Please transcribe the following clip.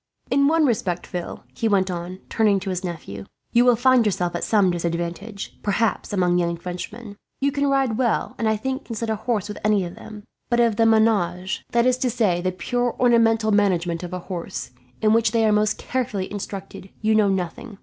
"In one respect, Phil," he went on, turning to his nephew, "you will find yourself at some disadvantage, perhaps, among young Frenchmen. You can ride well, and I think can sit a horse with any of them; but of the menage, that is to say, the purely ornamental management of a horse, in which they are most carefully instructed, you know nothing.